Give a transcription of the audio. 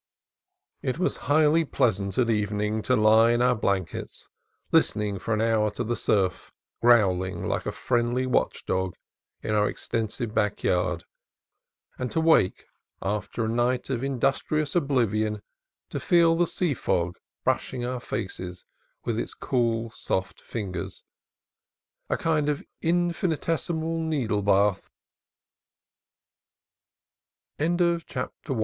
It was highly pleasant at evening to lie in our blankets listening for an hour to the surf growling like a friendly watch dog in our extensive back yard : and to wake, after a night of industrious ob livion, to feel the sea fog brushing our faces with its cool soft fingers, a kind of infinitesimal